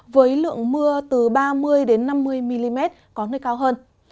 với lượng mưa từ ba mươi năm mươi mm có nơi cao hơn